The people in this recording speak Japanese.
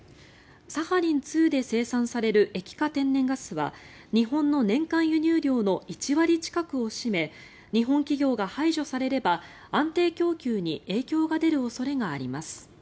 サハリン２で生産される液化天然ガスは日本の年間輸入量の１割近くを占め日本企業が排除されれば安定供給に影響が出る恐れがあります。